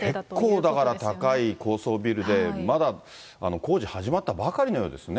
結構だから高い高層ビルで、まだ工事始まったばかりのようですね。